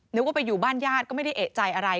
นึกว่าไปอยู่บ้านญาติก็ไม่ได้เอกใจอะไร